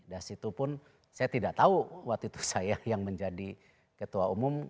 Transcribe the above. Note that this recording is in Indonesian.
dan situpun saya tidak tahu waktu itu saya yang menjadi ketua umum